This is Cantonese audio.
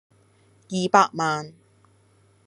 二百萬